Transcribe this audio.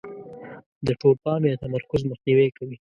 د ټول پام یا تمرکز مخنیوی کوي.